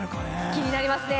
気になりますね